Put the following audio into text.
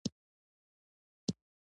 هېواد د پوهانو فکر ته اړتیا لري.